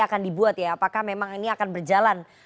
akan dibuat ya apakah memang ini akan berjalan